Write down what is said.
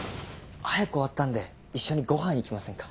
早く終わったんで一緒にごはん行きませんか？